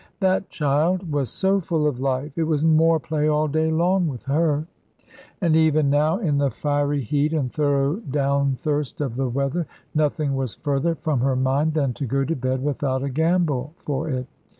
That child was so full of life, it was 'more play' all day long with her! And even now, in the fiery heat and thorough down thirst of the weather, nothing was further from her mind than to go to bed without a gambol for it.